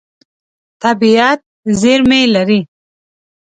طبیعت زېرمې لري.